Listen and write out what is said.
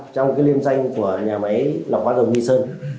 trong liên doanh của nhà máy lọc hóa dầu nhi sơn